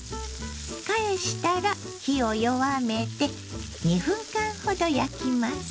返したら火を弱めて２分間ほど焼きます。